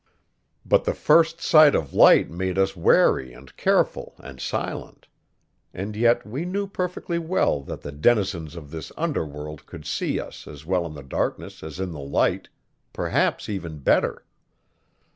But the first sight of light made us wary and careful and silent; and yet we knew perfectly well that the denizens of this underworld could see as well in the darkness as in the light perhaps even better.